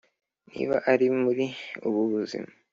Niba ari muri ubu buzima